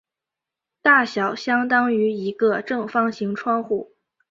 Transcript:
大小相当于一个正方形窗户。